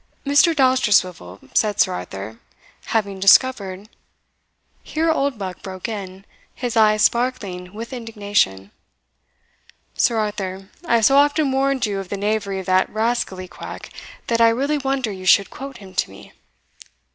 "Mr. Dousterswivel," said Sir Arthur, "having discovered" Here Oldbuck broke in, his eyes sparkling with indignation. "Sir Arthur, I have so often warned you of the knavery of that rascally quack, that I really wonder you should quote him to me."